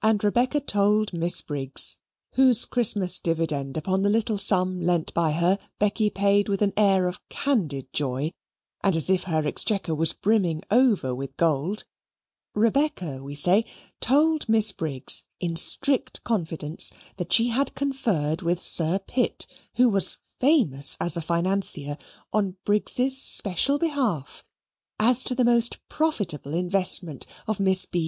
And Rebecca told Miss Briggs, whose Christmas dividend upon the little sum lent by her Becky paid with an air of candid joy, and as if her exchequer was brimming over with gold Rebecca, we say, told Miss Briggs, in strict confidence that she had conferred with Sir Pitt, who was famous as a financier, on Briggs's special behalf, as to the most profitable investment of Miss B.'